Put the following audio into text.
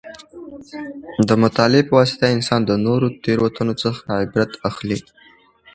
د مطالعې په واسطه انسان د نورو د تېروتنو څخه عبرت اخلي.